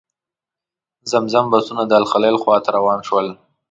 زموږ بسونه د الخلیل خواته روان شول.